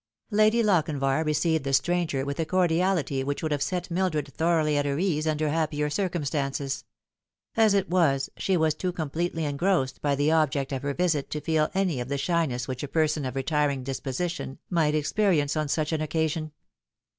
Lady Lochinvar received the stranger with a cordiality which would have set Mildred thoroughly at her ease under happier circumstances. As it was, she was too completely engrossed by the object of her visit to feel any of that shyness which a person of retiring disposition might experience on such an occasion.